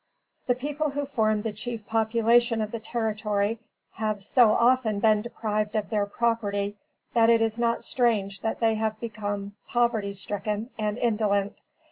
The people who form the chief population of the territory have so often been deprived of their property that it is not strange that they have become poverty stricken and indolent.